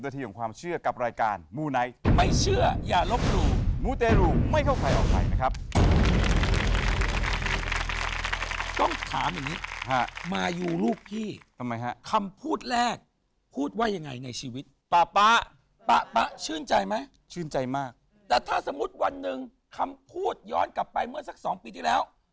แต่ถ้าสมมุติวันหนึ่งคำพูดย้อนกลับไปเมื่อสัก๒ปีที่แล้ว